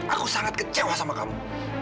aku sangat kecewa sama kamu